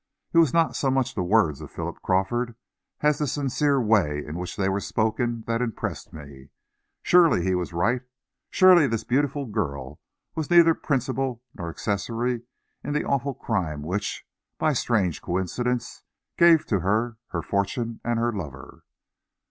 It was not so much the words of Philip Crawford, as the sincere way in which they were spoken, that impressed me. Surely he was right; surely this beautiful girl was neither principal nor accessory in the awful crime which, by a strange coincidence, gave to her her fortune and her lover.